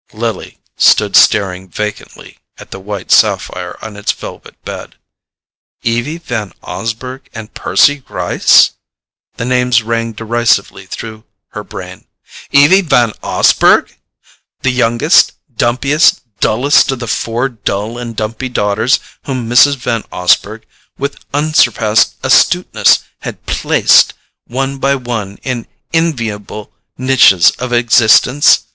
Lily stood staring vacantly at the white sapphire on its velvet bed. Evie Van Osburgh and Percy Gryce? The names rang derisively through her brain. EVIE VAN OSBURGH? The youngest, dumpiest, dullest of the four dull and dumpy daughters whom Mrs. Van Osburgh, with unsurpassed astuteness, had "placed" one by one in enviable niches of existence!